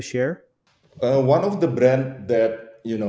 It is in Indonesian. salah satu perusahaan yang saya lakukan